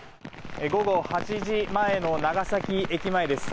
午後８時前の長崎駅前です。